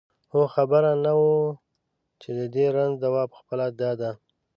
خو خبره نه وه چې د دې رنځ دوا پخپله دا ده.